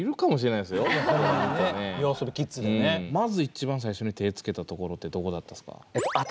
まず一番最初に手つけたところってどこだったんですか？